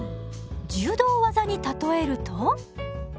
柔道技に例えると？